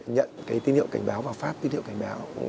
nhận cái tin hiệu cảnh báo và phát tín hiệu cảnh báo